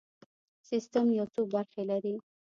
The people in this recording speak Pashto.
سیستم یو څو برخې لري.